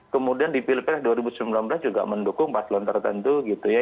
kemudian di pilpres dua ribu sembilan belas juga mendukung paslon tertentu gitu ya